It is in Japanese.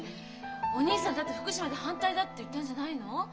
お義兄さんだって福島で「反対だ」って言ったんじゃないの？